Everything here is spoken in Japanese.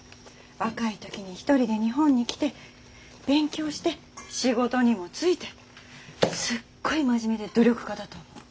若い時に一人で日本に来て勉強して仕事にも就いてすごい真面目で努力家だと思う。